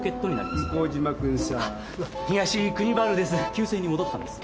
旧姓に戻ったんです。